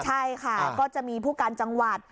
ใช่ค่ะก็จะมีผู้การจังหวัด